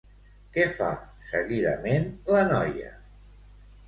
Què fa, seguidament, la noia?